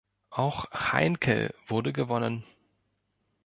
Auch Heinkel wurde gewonnen.